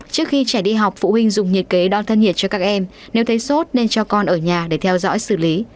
trước khi trẻ đi học phụ huynh dùng nhiệt kế đo thân nhiệt cho các em nếu thấy sốt nên cho con ở nhà để theo dõi xử lý